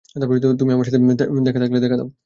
তুমি আমার সাথে থেকে থাকলে, দেখা দাও।